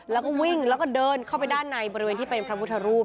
แล้วก็วิ่งแล้วก็เดินเข้าไปด้านในบริเวณที่เป็นพระพุทธรูป